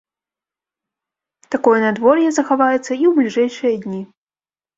Такое надвор'е захаваецца і ў бліжэйшыя дні.